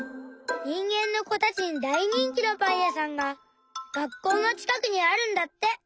にんげんのこたちにだいにんきのパンやさんが学校のちかくにあるんだって。